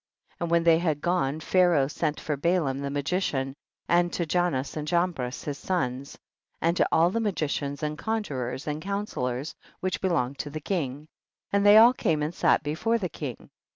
27. And when they had gone Pha raoh sent for Balaam the magician and to Jannes and Jambres his sous, and to all the magicians and conjurors and counsellors which belonged to the king, and they all came and sat before the king.